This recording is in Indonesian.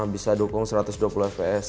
bisa dukung satu ratus dua puluh fps